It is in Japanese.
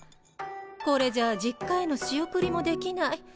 これじゃ実家への仕送りもできない。